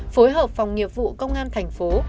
phối hợp phòng nghiệp vụ công an thành phố